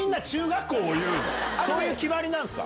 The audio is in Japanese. そういう決まりなんすか？